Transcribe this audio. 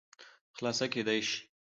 خلاصه کېداى شي